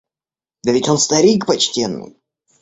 Да ведь он старик почтенный!